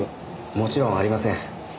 もちろんありません。